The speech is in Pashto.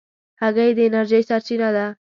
هګۍ د انرژۍ سرچینه ده.